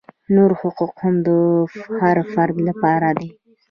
نور حقوق هم د هر فرد لپاره دي.